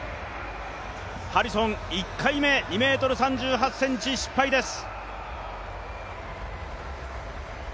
ハリソン、１回目、２ｍ３８ｃｍ失敗です。